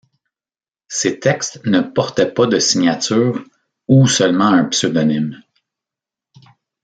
Ses textes ne portaient pas de signature, ou seulement un pseudonyme.